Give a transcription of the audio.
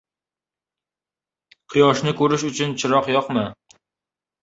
• Quyoshni ko‘rish uchun chiroq yoqma.